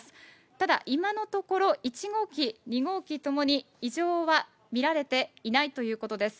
ただ、今のところ１号機、２号機ともに異常は見られていないということです。